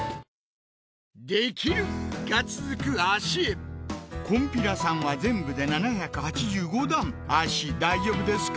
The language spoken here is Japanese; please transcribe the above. できる！が続く脚へこんぴらさんは全部で７８５段脚大丈夫ですか？